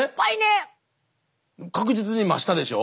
確実に増したでしょ？